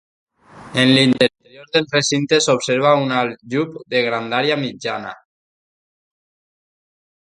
En l'interior del recinte s'observa un aljub de grandària mitjana.